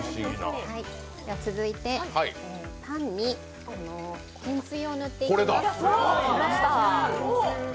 続いて、パンに天つゆを塗っていきます。